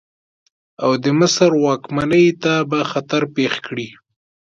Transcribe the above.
او د مصر واکمنۍ ته به خطر پېښ کړي.